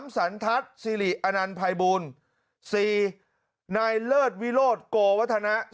สันทัศน์สิริอนันต์ภัยบูล๔นายเลิศวิโรธโกวัฒนะ